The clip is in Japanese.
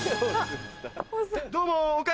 どうも。